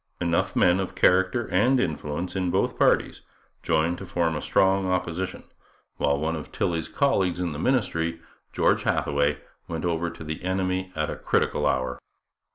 Enough men of character and influence in both parties joined to form a strong opposition, while one of Tilley's colleagues in the ministry, George Hathaway, went over to the enemy at a critical hour.